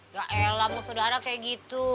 ya elah mau saudara kayak gitu